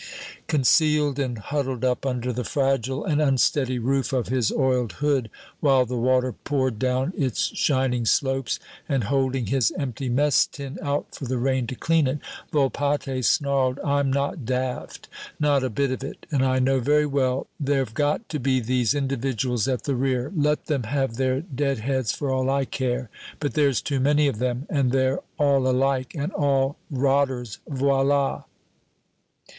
Concealed and huddled up under the fragile and unsteady roof of his oiled hood, while the water poured down its shining slopes, and holding his empty mess tin out for the rain to clean it, Volpatte snarled, "I'm not daft not a bit of it and I know very well there've got to be these individuals at the rear. Let them have their dead heads for all I care but there's too many of them, and they're all alike, and all rotters, voila!"